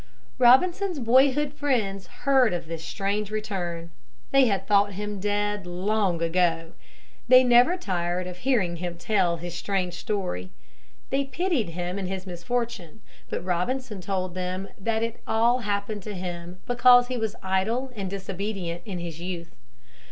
Robinson's boyhood friends heard of his strange return. They had thought him dead long ago. They never tired of hearing him tell his strange story. They pitied him in his misfortune. But Robinson told them that it all happened to him because he was idle and disobedient in his youth.